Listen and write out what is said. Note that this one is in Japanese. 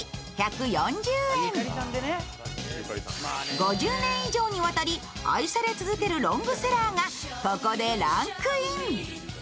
５０年以上にわたり愛され続けるロングセラーがここでランクイン。